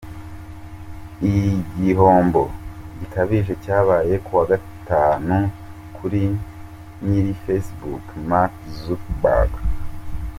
Igihombo gikabije cyabaye kuwa Gatanu kuri nyiri Facebook Mark Zuckerberg.